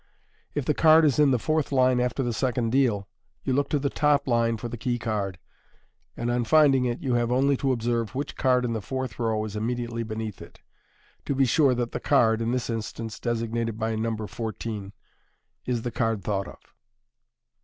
If the card is in the fourth line after the second deal, you look to the top line for the key card, and on finding it you have only to observe which card in the fourth row is immediately beneath it, to be sure that that card (in this instance designated by the number 14) is the card thought of.